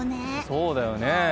そうだよね。